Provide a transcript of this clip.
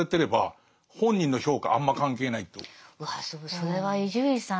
それは伊集院さん